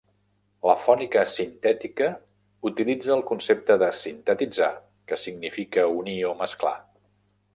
La fònica sintètica utilitza el concepte de "sintetitzar", que significa "unir" o "mesclar".